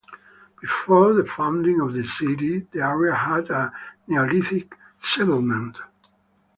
Before the founding of the city, the area had a Neolithic settlement.